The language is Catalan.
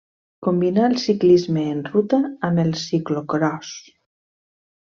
Combinà el ciclisme en ruta amb el ciclocròs.